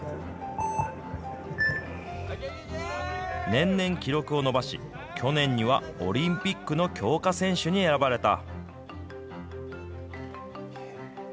年々記録を伸ばし、去年にはオリンピックの強化選手に選ばれた。